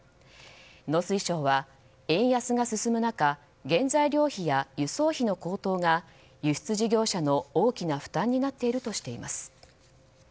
農水省は、円安が進む中原材料費や輸送費の高騰が輸出事業者の大きな負担になっているとしています。